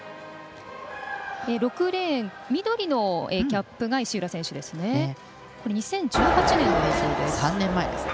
６レーン、緑のキャップが石浦選手ですね。